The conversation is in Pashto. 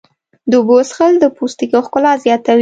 د اوبو څښل د پوستکي ښکلا زیاتوي.